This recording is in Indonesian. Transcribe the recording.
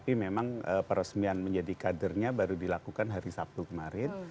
tapi memang peresmian menjadi kadernya baru dilakukan hari sabtu kemarin